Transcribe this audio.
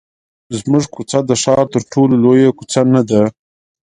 زموږ کوڅه د ښار تر ټولو لویه کوڅه نه ده.